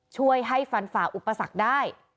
ช่วยให้ฟันฝ่าอุปสรรคได้